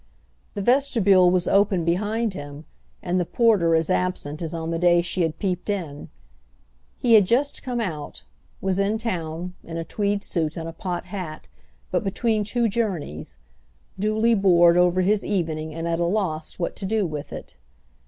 The vestibule was open behind him and the porter as absent as on the day she had peeped in; he had just come out—was in town, in a tweed suit and a pot hat, but between two journeys—duly bored over his evening and at a loss what to do with it.